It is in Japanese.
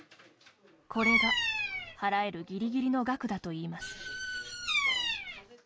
これが払えるぎりぎりの額だといいます。